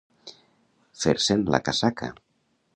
Fer-se'n la casaca.